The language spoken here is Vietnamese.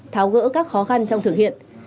tháo gỡ các khó khăn trong thực hiện